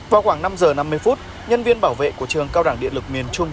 vào khoảng năm giờ năm mươi phút nhân viên bảo vệ của trường cao đẳng điện lực miền trung